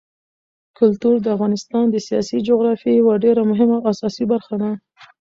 کلتور د افغانستان د سیاسي جغرافیې یوه ډېره مهمه او اساسي برخه ده.